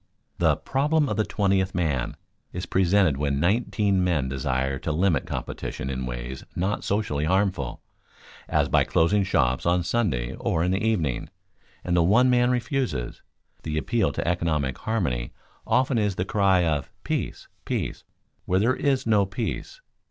The "problem of the twentieth man" is presented when nineteen men desire to limit competition in ways not socially harmful, as by closing shops on Sunday or in the evening, and the one man refuses. The appeal to economic harmony often is the cry of "peace, peace, where there is no peace."